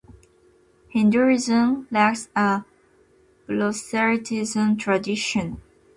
Hinduism lacks a proselytism tradition.